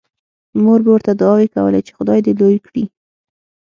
مور به ورته دعاوې کولې چې خدای دې لوی کړي